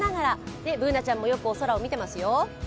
Ｂｏｏｎａちゃんもよくお空を見ていますよ。